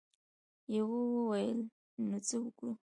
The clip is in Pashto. يوه وويل: نو څه وکو؟